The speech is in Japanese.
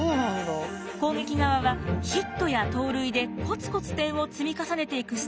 攻撃側はヒットや盗塁でコツコツ点を積み重ねていくスタイル。